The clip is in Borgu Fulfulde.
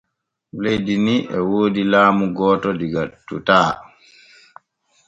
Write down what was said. Leydi ni o woodi laamu gooto diga totaa.